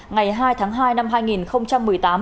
ngày hai tháng hai năm hai nghìn một mươi tám